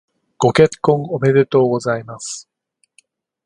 ご結婚おめでとうございます。